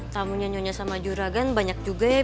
tamu nyonya sama juragan banyak juga ya pira